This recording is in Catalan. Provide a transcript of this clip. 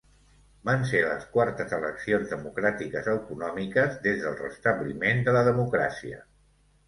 Van ser les quartes eleccions democràtiques autonòmiques des del restabliment de la democràcia.